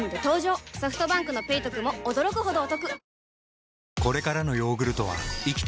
ソフトバンクの「ペイトク」も驚くほどおトク